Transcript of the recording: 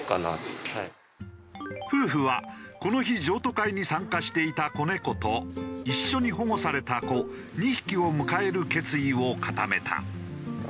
夫婦はこの日譲渡会に参加していた子猫と一緒に保護された子２匹を迎える決意を固めた。